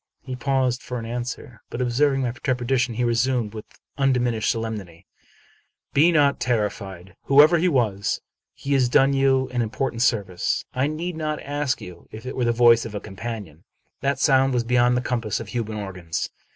" He paused for an answer; but, observing my trepidation, he resumed, with undiminished solemnity, " Be not terrified. Whoever he was, he has done you an important service. I need not ask you if it were the voice of a companion. That sound was beyond the compass of human organs.